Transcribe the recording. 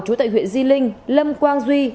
chú tại huyện di linh lâm quang duy